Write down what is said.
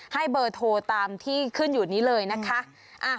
ให้เบอร์โทรตามที่ขึ้นอยู่นี้เลยนะคะ